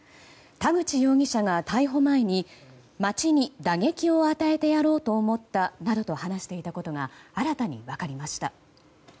田口容疑者が逮捕前に町に打撃を与えてやろうと思ったなどと話していたことが新たに分かりました。